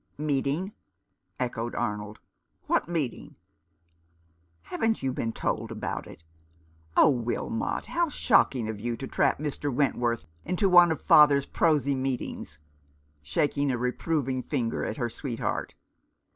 "Meeting?" echoed Arnold. "What meet ing ?"" Haven't you been told about it ? Oh, Wilmot, how shocking of you to trap Mr. Wentworth into one of father's prosy meetings" — shaking a re proving finger at her sweetheart.